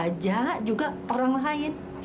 bajak juga orang lain